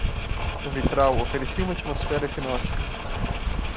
O vitral oferecia uma atmosfera hipnótica.